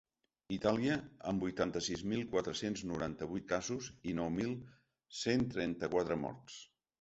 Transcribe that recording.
Itàlia, amb vuitanta-sis mil quatre-cents noranta-vuit casos i nou mil cent trenta-quatre morts.